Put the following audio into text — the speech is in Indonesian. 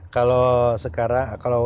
kalau sekarang kalau ya